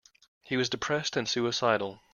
He was depressed and suicidal.